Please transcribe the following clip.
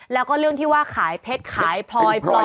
แล้วก็เรื่องที่ว่าขายเพชรขายพลอยพลอย